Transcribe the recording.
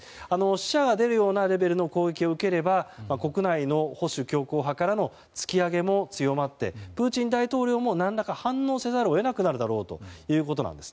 死者が出るようなレベルの攻撃を受ければ国内の保守・強硬派からの突き上げも強まってプーチン大統領も何らか反応せざるを得なくなるだろうということです。